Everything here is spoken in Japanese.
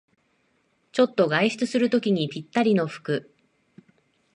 ちょっと外出するときにぴったりの服